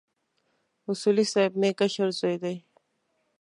اصولي صیب مې کشر زوی دی.